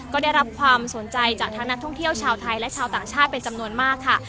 ก็ได้รับความสนใจจากทั้งนักท่องเที่ยวชาวไทยและชาวต่างชาติเป็นจำนวนมากค่ะ